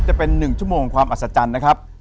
จะเป็น๑ชั่วโมงความอัศจรรย์นะครับ